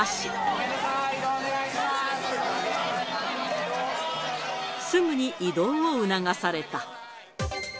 ごめんなさい、移動お願いしすぐに移動を促された。